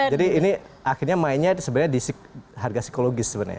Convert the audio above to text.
jadi ini akhirnya mainnya sebenarnya di harga psikologis sebenarnya